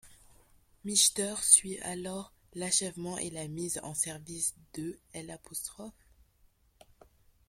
Mitscher suit alors l'achèvement et la mise en service de l'.